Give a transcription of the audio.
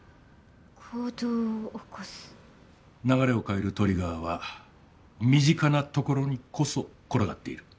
流れを変えるトリガーは身近な所にこそ転がっている。